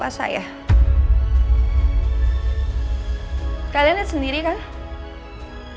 hanya bisa bahkan dia tadi satu minggu langus